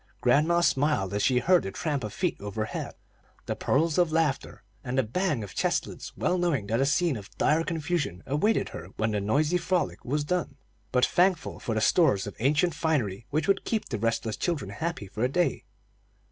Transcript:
Grandma smiled as she heard the tramp of feet overhead, the peals of laughter, and the bang of chest lids, well knowing that a scene of dire confusion awaited her when the noisy frolic was done, but thankful for the stores of ancient finery which would keep the restless children happy for a day.